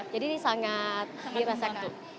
jadi ini sangat dipercayakan